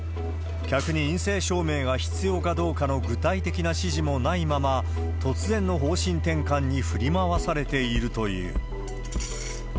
客に陰性証明が必要かどうかの具体的な指示もないまま、突然の方針転換に振り回されているという。